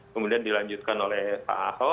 kemudian dilanjutkan oleh pak ahok